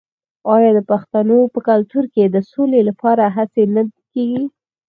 آیا د پښتنو په کلتور کې د سولې لپاره هڅې نه کیږي؟